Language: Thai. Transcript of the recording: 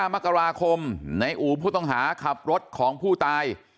มกราคมในอู๋ผู้ต้องหาขับรถของผู้ตาย